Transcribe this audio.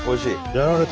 やられた。